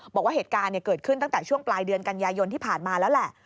บอกว่าเหตุการณ์เกิดขึ้นตั้งแต่ช่วงปลายเดือนกันยายนที่ผ่านมาแล้วแหละ